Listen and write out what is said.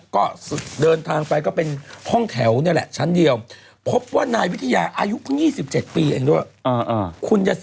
ก็เดินทางไปก็เป็นห้องแถวนี่แหละชั้นเดียวพบว่านายวิทยาอายุเพิ่ง๒๗ปีเองด้วย